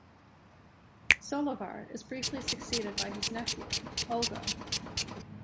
Solovar is briefly succeeded by his nephew, Ulgo.